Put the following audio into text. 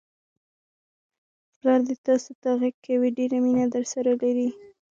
پلا دې تاسوته غږ کوي، ډېره مینه درسره لري!